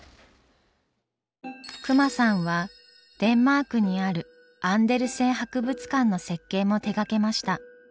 隈さんはデンマークにあるアンデルセン博物館の設計も手がけました。